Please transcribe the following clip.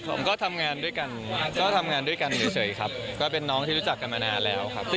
ผมก็ทำงานด้วยกันเฉยครับก็เป็นน้องที่รู้จักกันมานานแล้วครับ